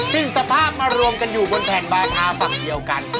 ซึ่งสภาพมารวมกันอยู่บนแผ่นบาธาฝั่งเดียวกัน